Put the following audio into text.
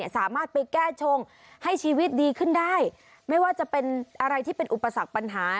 สามารถไปแก้ชงให้ชีวิตดีขึ้นได้ไม่ว่าจะเป็นอะไรที่เป็นอุปสรรคปัญหา